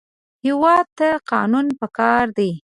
هېواد ته قانون پکار دی